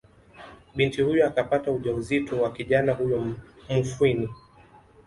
Binti huyo akapata ujauzito wa kijana huyo Mufwini